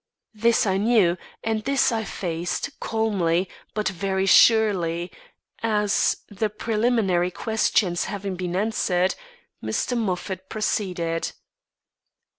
This I knew, and this I faced, calmly, but very surely, as, the preliminary questions having been answered, Mr. Moffat proceeded.